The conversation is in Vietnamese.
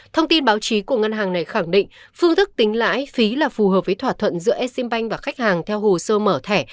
thông tin báo chí của ngân hàng này khẳng định phương thức tính lãi phí là phù hợp với thỏa thuận giữa exim bank và khách hàng theo hồ sơ mở thẻ